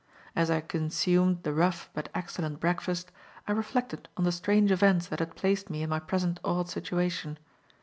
As I consumed the rough but excellent breakfast I reflected on the strange events that had placed me in my present odd situation.